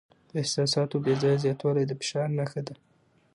د احساساتو بې ځایه زیاتوالی د فشار نښه ده.